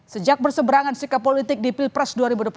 sejak berseberangan sikap politik di pilpres dua ribu dua puluh